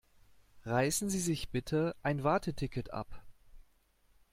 Reißen Sie sich bitte ein Warteticket ab.